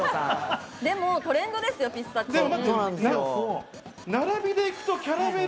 でもトレンドですよ、ピスタチオ。